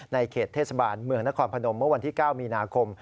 ในเขตเทศบาลเมืองนครพนมเมื่อวันที่๙มีนาคม